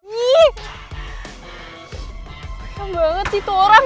gak banget sih itu orang